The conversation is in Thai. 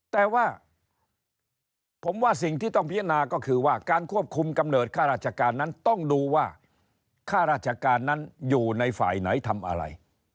แต่ว่าผมว่าสิ่งที่ต้องพิจารณาก็คือว่าการควบคุมกำเนิดค่าราชการนั้นต้องดูว่าค่าราชการนั้นอยู่ในฝ่ายไหนทำอะไร